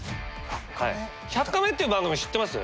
「１００カメ」っていう番組知ってます？